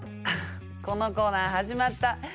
このコーナー始まった。